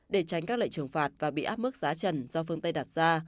để tránh các lệ trừng phạt và bị áp mức giá trần do phương tây đặt ra